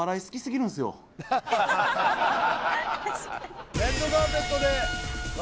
確かにレッドカーペットで笑